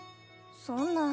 そんな。